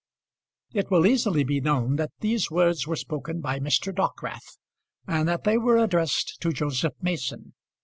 It will easily be known that these words were spoken by Mr. Dockwrath, and that they were addressed to Joseph Mason.